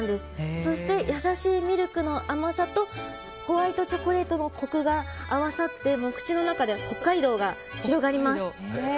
そして、優しいミルクの甘さとホワイトチョコレートのこくが合わさって口の中で北海道が広がります。